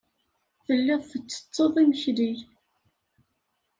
Telliḍ tettetteḍ imekli.